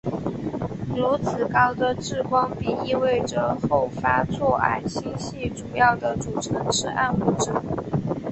如此高的质光比意味着后发座矮星系主要的组成是暗物质。